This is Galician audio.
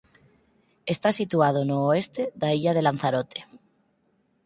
Está situado no oeste da illa de Lanzarote.